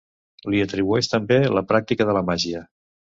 Li atribueix també la pràctica de la màgia.